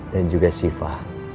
dan juga siva